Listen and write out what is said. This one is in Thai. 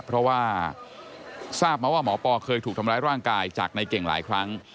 เพราะว่าทราบมาว่าหมอปอเคยถูกทำร้ายร่างกายจากในเก่งหลายครั้ง